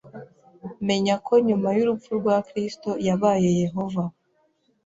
Menya ko nyuma yurupfu rwa Kristo yabaye Yehova